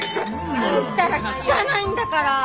あんたら汚いんだから！